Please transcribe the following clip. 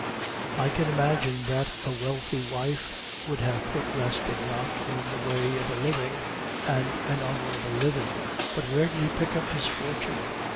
"I can imagine that a wealthy wife would have put Rastignac in the way of a living, and an honorable living, but where did he pick up his fortune?"